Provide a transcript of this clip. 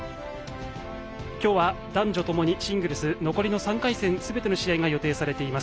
今日は男女ともにシングルス残りの３回戦すべての試合が予定されています。